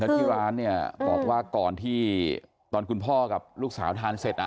ที่ร้านเนี่ยบอกว่าก่อนที่ตอนคุณพ่อกับลูกสาวทานเสร็จ